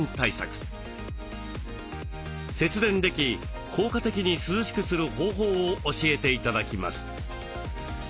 節電でき効果的に涼しくする方法を教えて頂きます。